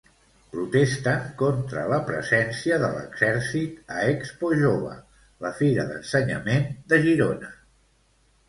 Protesten contra la presència de l'exèrcit a ExpoJove, la fira d'ensenyament de Girona.